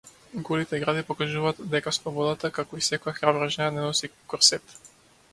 Голите гради покажуваат дека слободата, како и секоја храбра жена, не носи корсет.